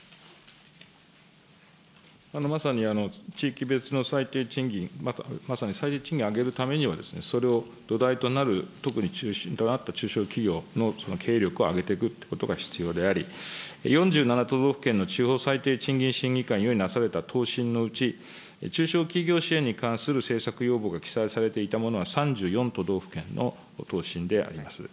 まさに地域別の最低賃金、まさに最低賃金を上げるためには、それを土台となる、特に中心となった中小企業の経営力を上げていくということが必要であり、４７都道府県の中央最低賃金審議会により出された答申のうち、中小企業支援に関する政策要望が記載されていたものは、３４都道府県の答申であります。